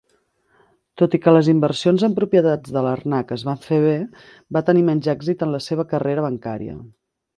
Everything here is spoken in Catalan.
Tot i que les inversions en propietats de Larnach es van fer bé, va tenir menys èxit en la seva carrera bancària.